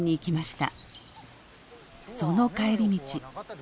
その帰り道。